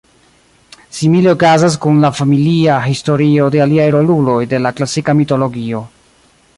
Simile okazas kun la "familia" historio de aliaj roluloj de la klasika mitologio.